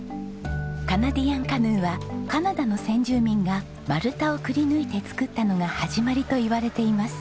カナディアンカヌーはカナダの先住民が丸太をくりぬいて作ったのが始まりといわれています。